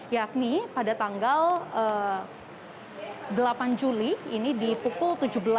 yakni pada tanggal delapan juli ini di pukul tujuh belas